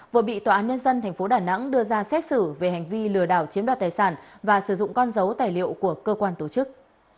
vừa bị tòa án nhân dân tp đà nẵng đưa ra xét xử về hành vi lừa đảo chiếm đoạt tài sản và sử dụng con dấu tài liệu của cơ quan tổ chức